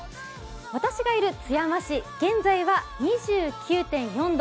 私がいる津山市、現在は２９．４度。